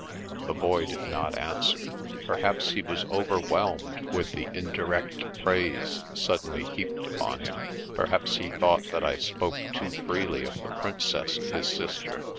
The Boy did not answer. Perhaps he was over whelmed with the indirect praise suddenly heaped upon him ; perhaps he thought that I spoke too freely of the Princess his sister.